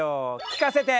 聞かせて。